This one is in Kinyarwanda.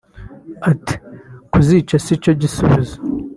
Ati “Kuzica si cyo gisubizo